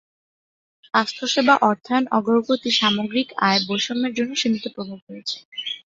স্বাস্থ্যসেবা অর্থায়ন অগ্রগতি সামগ্রিক আয় বৈষম্যের জন্য সীমিত প্রভাব রয়েছে।